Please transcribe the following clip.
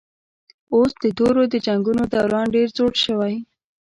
اوس د تورو د جنګونو دوران ډېر زوړ شوی